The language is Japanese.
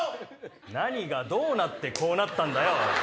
何がどうなってこうなったんだよ！